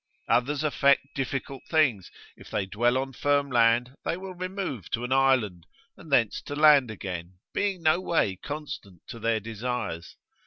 Others affect difficult things; if they dwell on firm land they will remove to an island, and thence to land again, being no way constant to their desires.